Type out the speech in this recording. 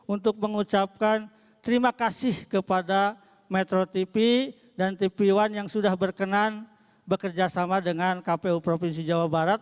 untuk mengucapkan terima kasih kepada metro tv dan tp satu yang sudah berkenan bekerjasama dengan kpu provinsi jawa barat